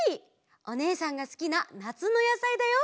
おねえさんがすきななつのやさいだよ。